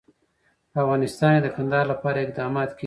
په افغانستان کې د کندهار لپاره اقدامات کېږي.